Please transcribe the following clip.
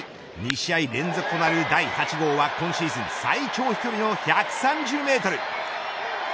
２試合連続となる第８号は今シーズン最長飛距離の１３０メートル